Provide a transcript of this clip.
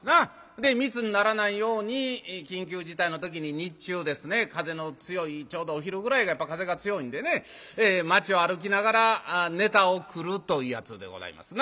で密にならないように緊急事態の時に日中ですね風の強いちょうどお昼ぐらいがやっぱ風が強いんでね街を歩きながら「ネタを繰る」というやつでございますな。